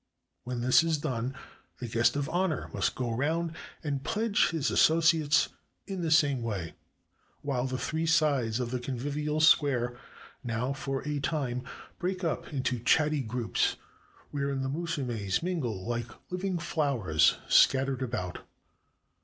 When this is done, the " guest of honor " must go round and pledge his associates in the same way, while the three sides of the convivial square now for a time break up into chatty groups, wherein the musumes mingle like living flowers scattered about.